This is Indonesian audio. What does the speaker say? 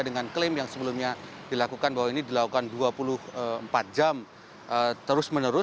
dengan klaim yang sebelumnya dilakukan bahwa ini dilakukan dua puluh empat jam terus menerus